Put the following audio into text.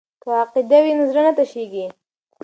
که عقیده وي نو زړه نه تشیږي.